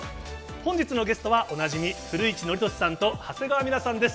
本日のゲストはおなじみ、古市憲寿さんと長谷川ミラさんです。